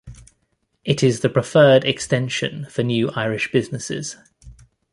It is the preferred extension for new Irish businesses.